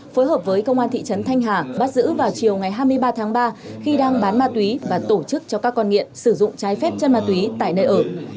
phối hợp với công an thị trấn thanh hà bắt giữ vào chiều ngày hai mươi ba tháng ba khi đang bán ma túy và tổ chức cho các con nghiện sử dụng trái phép chân ma túy tại nơi ở